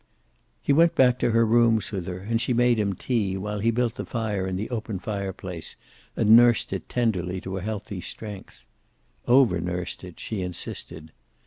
He went back to her rooms with her, and she made him tea, while he built the fire in the open fireplace and nursed it tenderly to a healthy strength. Overnursed it, she insisted.